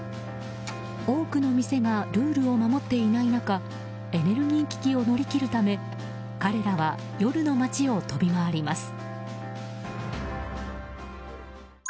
多くの店がルールを守っていない中エネルギー危機を乗り切るため彼らは夜の街を跳び回ります。